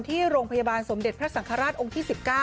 ที่โรงพยาบาลสมเด็จพระสังฆราชองค์ที่๑๙